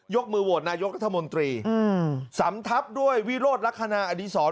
มือโหวตนายกรัฐมนตรีสำทับด้วยวิโรธลักษณะอดีศร